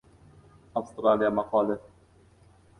Avstraliya maqoli